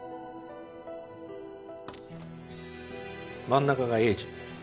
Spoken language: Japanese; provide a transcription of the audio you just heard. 真ん中が栄治。